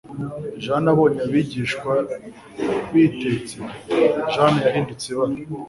Jane abonye ibishishwa bitetse, Jane yahindutse ibara.